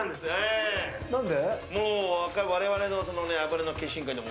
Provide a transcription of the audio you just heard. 何で？